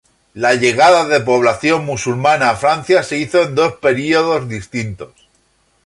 La llegada de población musulmana a Francia se hizo en dos períodos distintos.